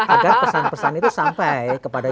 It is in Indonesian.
agar pesan pesan itu sampai kepada